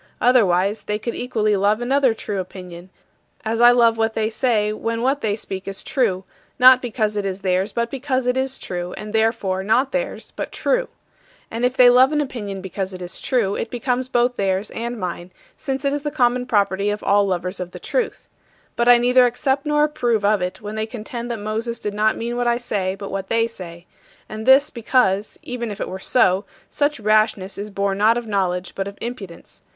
Otherwise they could equally love another true opinion, as I love what they say when what they speak is true not because it is theirs but because it is true, and therefore not theirs but true. And if they love an opinion because it is true, it becomes both theirs and mine, since it is the common property of all lovers of the truth. But I neither accept nor approve of it when they contend that Moses did not mean what I say but what they say and this because, even if it were so, such rashness is born not of knowledge, but of impudence.